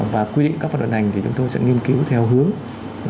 và quy định các luật ngành thì chúng tôi sẽ nghiên cứu theo hướng